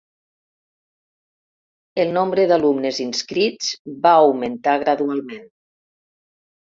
El nombre d'alumnes inscrits va augmentar gradualment.